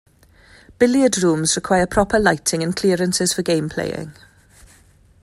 Billiard rooms require proper lighting and clearances for game playing.